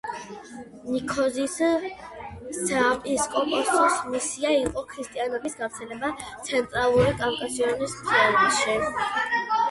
ნიქოზის საეპისკოპოსოს მისია იყო ქრისტიანობის გავრცელება ცენტრალური კავკასიონის მთიანეთში.